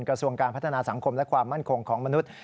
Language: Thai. กระทรวงการพัฒนาสังคมและความมั่นคงของมนุษย์